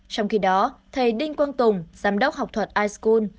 trong khi đó thầy đinh quang tùng giám đốc học thuật ischool